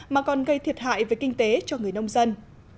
mà còn gây thiệt hại về kinh tế cho người nông dân